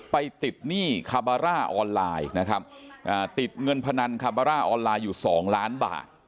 ไปติดหนี้คาบาร่าออนไลน์นะครับติดเงินพนันคาบาร่าออนไลน์อยู่สองล้านบาท